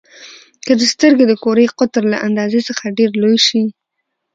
که د سترګو د کرې قطر له اندازې څخه ډېر لوی شي.